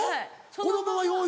このまま「用意！